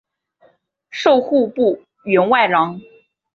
授户部员外郎。